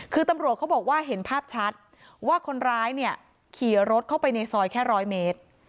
คือตำรวจเขาบอกว่าเห็นภาพชัดว่าคนร้ายเนี่ยขี่รถเข้าไปในซอยแค่๑๐๐เมตร